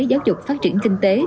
giáo dục phát triển kinh tế